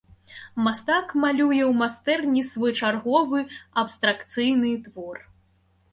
Мастак малюе ў майстэрні свой чарговы абстракцыйны твор.